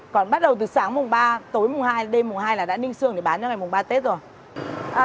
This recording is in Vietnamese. còn bắt đầu từ sáng mùng ba tối mùng hai đêm mùng hai là đã ninh xương để bán cho ngày mùng ba tết rồi